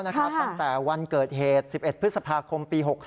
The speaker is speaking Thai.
ตั้งแต่วันเกิดเหตุ๑๑พฤษภาคมปี๖๓